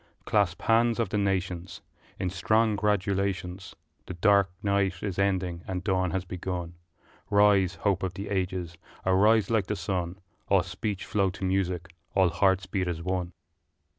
Clasp hands of the nations In strong gratulations: The dark night is ending and dawn has begun; Rise, hope of the ages, arise like the sun, All speech flow to music, all hearts beat as one!